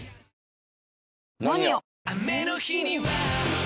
「ＮＯＮＩＯ」！